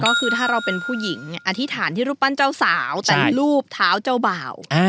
ก็คือถ้าเราเป็นผู้หญิงอธิษฐานที่รูปปั้นเจ้าสาวแต่รูปเท้าเจ้าบ่าว